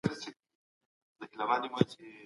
د سکانو سره جګړې ولي ستونزمنې وې؟